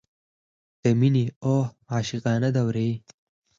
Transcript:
د مینې اوه عاشقانه دورې.